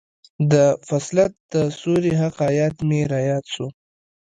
د فصلت د سورې هغه ايت مې راياد سو.